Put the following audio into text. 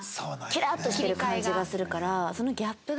キラッとしてる感じがするから。